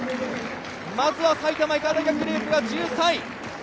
まずは埼玉医科大学グループが１３位。